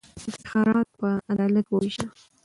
افتخارات په عدالت ووېشه.